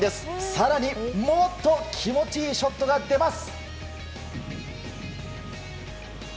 更にもっと気持ちいいショットが出ます。